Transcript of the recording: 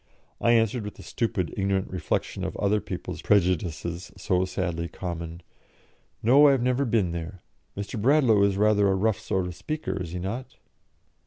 I answered, with the stupid, ignorant reflection of other people's prejudices so sadly common, "No, I have never been there. Mr. Bradlaugh is rather a rough sort of speaker, is he not?"